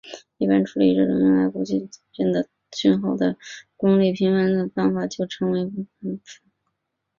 一般处理这种用来估计有杂讯的讯号的功率频谱的方法就称为频谱估计。